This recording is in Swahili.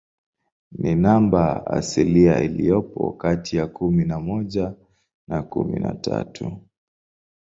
Ni namba asilia iliyopo kati ya kumi na moja na kumi na tatu.